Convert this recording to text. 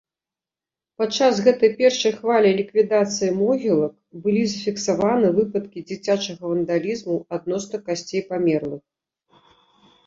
Падчас гэтай першай хвалі ліквідацыі могілак былі зафіксаваны выпадкі дзіцячага вандалізму адносна касцей памерлых.